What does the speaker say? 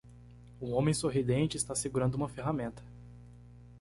Um homem sorridente está segurando uma ferramenta.